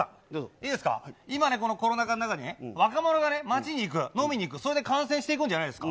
いいですか、今、コロナ禍の中で、若者が街に行く、飲みに行く、それで感染していくんじゃないですか。